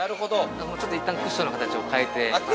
ちょっと一旦クッションの形を変えて。